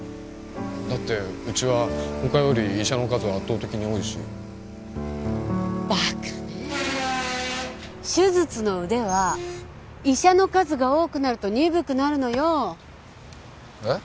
だってウチはほかより医者の数が圧倒的に多いしバカね手術のウデは医者の数が多くなると鈍くなるのえッ？